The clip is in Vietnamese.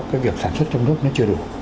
cái việc sản xuất trong nước nó chưa được